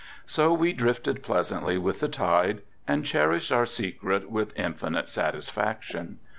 So we drifted pleasantly with the tide and cherished our secret with infinite satisfaction.